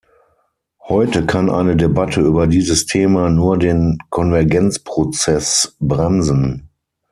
Heute kann eine Debatte über dieses Thema nur den Konvergenzprozess bremsen.